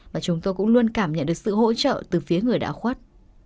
và chúng tôi cũng luôn cảm nhận được sự hỗ trợ từ phía người đã khuất